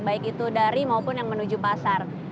baik itu dari maupun yang menuju pasar